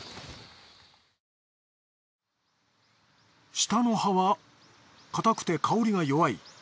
下の葉は硬くて香りが弱い。